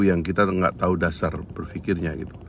yang kita tidak tahu dasar berpikirnya